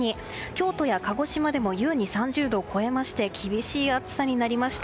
京都や鹿児島でも優に３０度を超えまして厳しい暑さになりました。